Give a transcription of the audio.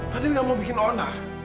fadil nggak mau bikin onar